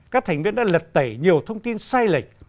các thành viên đã lật tẩy nhiều thông tin sai lệch